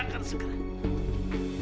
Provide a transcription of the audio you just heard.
berhenti menggali dia